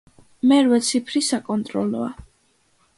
მერვე ციფრი საკონტროლოა.